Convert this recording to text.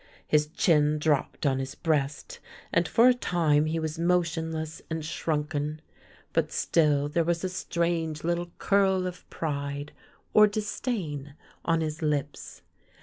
His chin dropped on his breast, and for a time he was motion less and shrunken ; but still there was a strange little curl of pride — or disdain — on his lips.